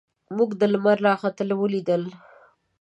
موږ د لمر راختل ولیدل.